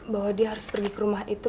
bahwa dia harus pergi ke rumah itu